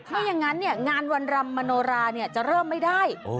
ไม่อย่างนั้นเนี่ยงานวันรำมโนราเนี่ยจะเริ่มไม่ได้